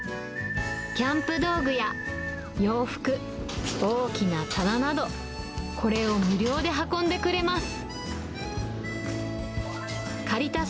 キャンプ道具や洋服、大きな棚など、これを無料で運んでくれます。